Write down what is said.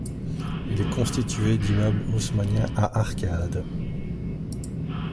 Il est constitué d'immeubles haussmanniens à arcades.